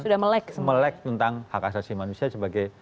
sudah melek tentang hak asasi manusia sebagai